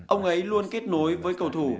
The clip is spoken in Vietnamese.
ông ấy luôn kết nối với cầu thủ